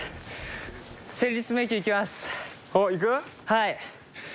はい。